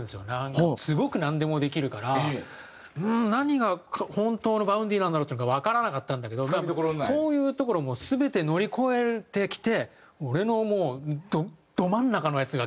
すごくなんでもできるから何が本当のＶａｕｎｄｙなんだろうっていうのがわからなかったんだけどそういうところも全て乗り越えてきて俺のもうど真ん中のやつがきたんで。